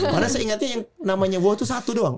karena saya ingatnya yang namanya woe itu satu doang